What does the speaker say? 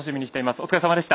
お疲れさまでした。